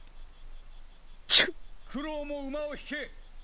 九郎も馬を引け！